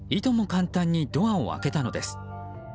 簡単にドアを開けたのです。